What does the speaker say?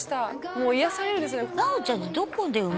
もう癒されるんですよね